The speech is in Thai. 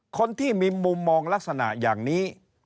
คนที่มีมุมมองลักษณะอย่างนี้